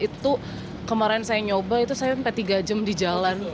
itu kemarin saya nyoba itu saya sampai tiga jam di jalan